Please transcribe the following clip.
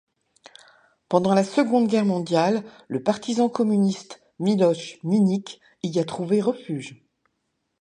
Pendant la Seconde Guerre mondiale, le partisan communiste Miloš Minić y a trouvé refuge.